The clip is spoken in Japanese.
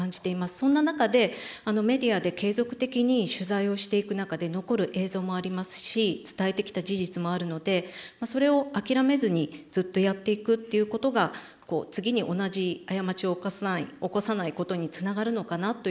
そんな中でメディアで継続的に取材をしていく中で残る映像もありますし伝えてきた事実もあるのでそれを諦めずにずっとやっていくっていうことが次に同じ過ちを犯さない起こさないことにつながるのかなというふうに思っています。